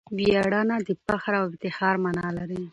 ویاړنه دفخر او افتخار مانا لري.